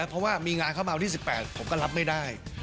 เพราะว่ามีงานเข้ามาวันที่๑๘ผมก็รับไม่ได้